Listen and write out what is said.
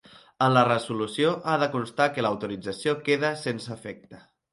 En la resolució ha de constar que l'autorització queda sense efecte.